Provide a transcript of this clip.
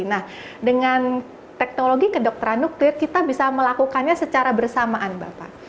nah dengan teknologi kedokteran nuklir kita bisa melakukannya secara bersamaan bapak